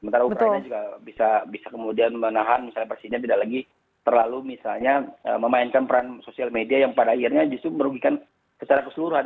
sementara ukraina juga bisa kemudian menahan misalnya presiden tidak lagi terlalu misalnya memainkan peran sosial media yang pada akhirnya justru merugikan secara keseluruhan